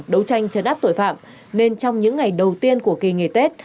đấu tranh chấn áp tội phạm nên trong những ngày đầu tiên của kỳ nghỉ tết